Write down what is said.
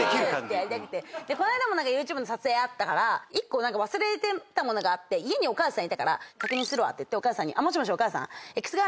この間ＹｏｕＴｕｂｅの撮影あったから１個忘れてた物があって家にお母さんいたから確認するわってお母さんに。